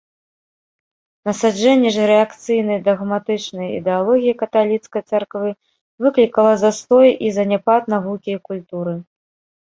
Насаджэнне ж рэакцыйнай дагматычнай ідэалогіі каталіцкай царквы выклікала застой і заняпад навукі і культуры.